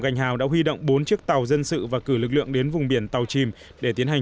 ngành hào đã huy động bốn chiếc tàu dân sự và cử lực lượng đến vùng biển tàu chìm để tiến hành